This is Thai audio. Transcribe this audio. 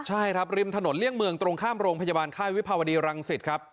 ใช่ครับริมถนนเลี่ยงเมืองตรงข้ามโรงพยาบาลค่ายวิภาวดีรังสิตครับ